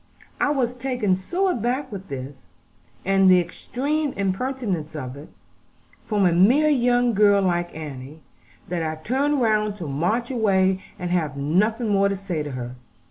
I was taken so aback with this, and the extreme impertinence of it, from a mere young girl like Annie, that I turned round to march away and have nothing more to say to her.